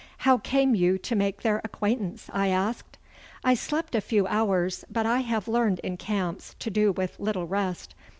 'How came you to make their acquaintance?' I asked. 'I slept a few hours, but I have learned in camps to do with little rest.